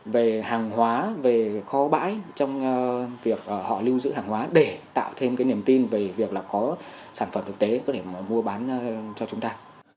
về hàng hóa về kho bãi trong việc họ lưu giữ hàng hóa để tạo thêm niềm tin về việc có sản phẩm thực tế để mua bán cho chúng ta